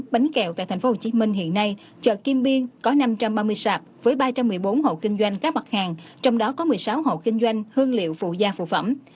bánh kẹo tại tp hcm hiện nay chợ kim biên có năm trăm ba mươi sạp với ba trăm một mươi bốn hộ kinh doanh các mặt hàng trong đó có một mươi sáu hộ kinh doanh hương liệu phụ gia phụ phẩm